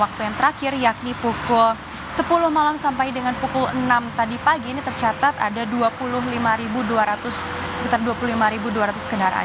waktu yang terakhir yakni pukul sepuluh malam sampai dengan pukul enam tadi pagi ini tercatat ada dua puluh lima dua ratus sekitar dua puluh lima dua ratus kendaraan